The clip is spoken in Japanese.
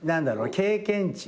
経験値？